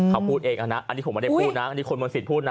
เขาพูดเองนะอันนี้ผมไม่ได้พูดนะอันนี้คุณมนศิษย์พูดนะ